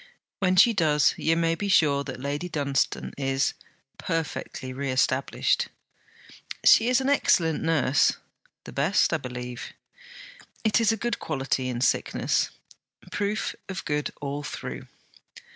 'When she does, you may be sure that Lady Dunstane is, perfectly reestablished.' 'She is an excellent nurse.' 'The best, I believe.' 'It is a good quality in sickness.' 'Proof of good all through.'